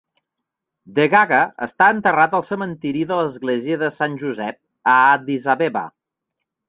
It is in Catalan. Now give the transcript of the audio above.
Degaga està enterrat al cementiri de l'església de Sant Josep a Addis Abeba.